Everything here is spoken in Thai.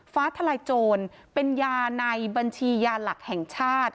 ฟ้าทลายโจรเป็นยาในบัญชียาหลักแห่งชาติ